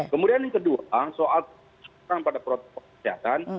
kemudian yang kedua soal pertolongan pada protokol kejahatan